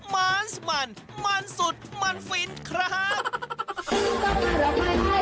มันมันสุดมันฟินครับ